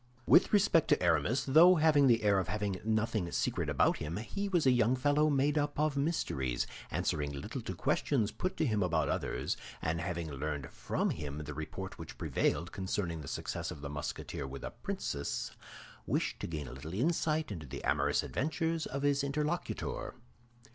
With respect to Aramis, though having the air of having nothing secret about him, he was a young fellow made up of mysteries, answering little to questions put to him about others, and having learned from him the report which prevailed concerning the success of the Musketeer with a princess, wished to gain a little insight into the amorous adventures of his interlocutor.